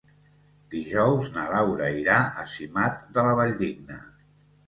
Dijous na Laura irà a Simat de la Valldigna.